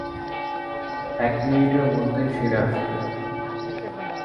এক মিনিটের মধ্যেই ফিরে আসব।